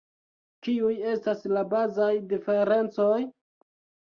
Kiuj estas la bazaj diferencoj?